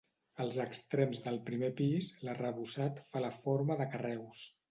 Als extrems del primer pis, l'arrebossat fa la forma de carreus.